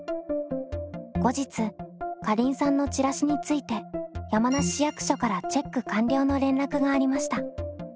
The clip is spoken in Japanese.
後日かりんさんのチラシについて山梨市役所からチェック完了の連絡がありました。